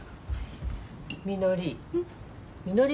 みのり。